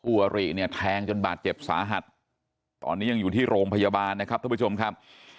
อริเนี่ยแทงจนบาดเจ็บสาหัสตอนนี้ยังอยู่ที่โรงพยาบาลนะครับท่านผู้ชมครับ